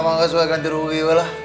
saya juga mau ganti diri